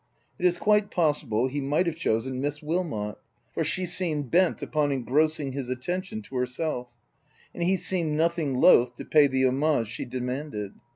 It is quite possible he might have chosen Miss Wilmot ; for she seemed bent upon engrossing his atten tion to herself, and he seemed nothing loath to pay the homage she demanded.